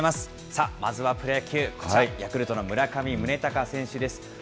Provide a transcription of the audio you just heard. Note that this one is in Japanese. さあ、まずはプロ野球、こちら、ヤクルトの村上宗隆選手です。